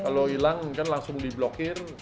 kalau hilang kan langsung di blokir